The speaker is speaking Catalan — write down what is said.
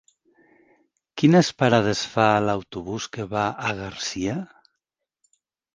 Quines parades fa l'autobús que va a Garcia?